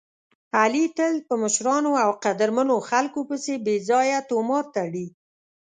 علي تل په مشرانو او قدرمنو خلکو پسې بې ځایه طومار تړي.